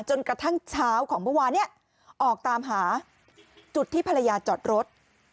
จนกระทั่งเช้าของเมื่อวานเนี่ยออกตามหาจุดที่ภรรยาจอดรถ